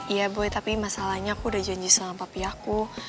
iya boy tapi masalahnya aku udah janji sama papiaku